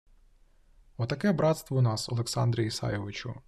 Отаке братство у нас, Олександре Ісайовичу